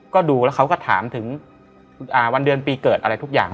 ก็ดูแล้วเขาก็ถามถึงวันเดือนปีเกิดอะไรทุกอย่าง